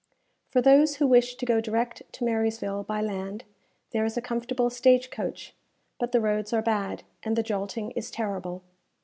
For those who wish to go direct to Marysville by land, there is a comfortable stage coach; but the roads are bad, and the jolting is terrible.